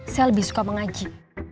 saya lebih suka mengaji